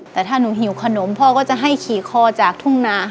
แต่ถ้าหนูหิวขนมพ่อก็จะให้ขี่คอจากทุ่งนา